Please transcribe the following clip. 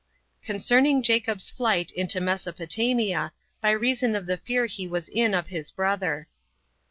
Concerning Jacob's Flight Into Mesopotamia, By Reason Of The Fear He Was In Of His Brother.